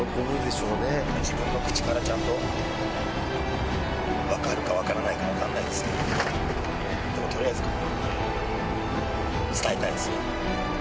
自分の口からちゃんと、分かるか分かんないか分かんないですけど、とりあえず伝えたいです。